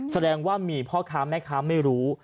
แสดงว่ามีพ่อค้าแม่ค้าไม่รู้